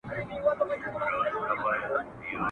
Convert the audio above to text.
د شعر مانا له شاعر سره وي !.